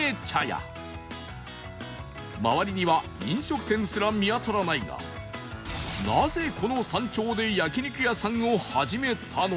周りには飲食店すら見当たらないがなぜこの山頂で焼肉屋さんを始めたのか？